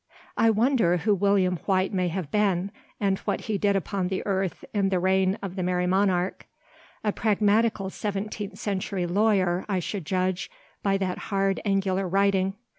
I wonder who William Whyte may have been, and what he did upon earth in the reign of the merry monarch. A pragmatical seventeenth century lawyer, I should judge, by that hard, angular writing.